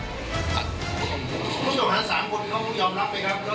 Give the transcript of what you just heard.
คุณสมศักดิ์สามคนเขายอมรับไหมครับ